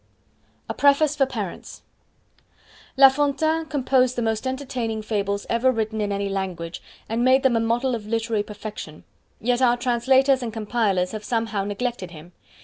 A Preface For Parents La Fontaine composed the most entertaining Fables ever written in any language, and made them a model of literary perfection; yet our translators and compilers have somehow neglected him.